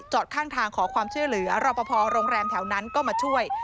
จอดข้างทางขอความเชื่อหรือรอบพอโรงแรมแถวนั้นก็มาช่วย